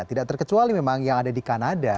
tidak terkecuali memang yang ada di kanada